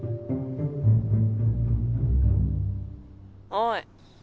・おい。